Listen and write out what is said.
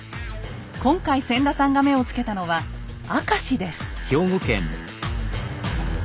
今回千田さんが目をつけたのは明石です。